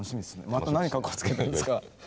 またなにかっこつけてんですか。